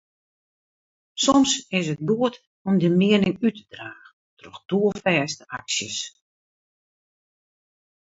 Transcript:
Soms is it goed om dyn miening út te dragen troch doelfêste aksjes.